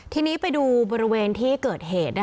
ทีนี้ไปดูบริเวณที่เกิดเหตุ